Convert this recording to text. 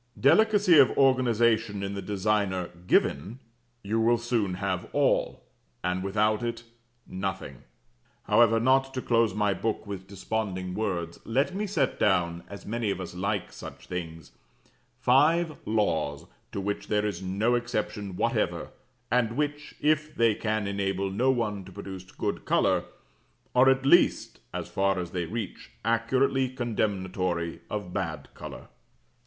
Delicacy of organization in the designer given, you will soon have all, and without it, nothing. However, not to close my book with desponding words, let me set down, as many of us like such things, five Laws to which there is no exception whatever, and which, if they can enable no one to produce good colour, are at least, as far as they reach, accurately condemnatory of bad colour.